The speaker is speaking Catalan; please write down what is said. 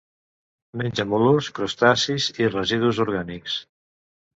Menja mol·luscs, crustacis i residus orgànics.